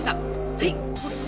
はい。